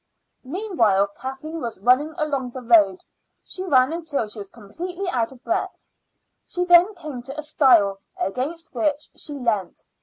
Meanwhile Kathleen was running along the road. She ran until she was completely out of breath. She then came to a stile, against which she leant.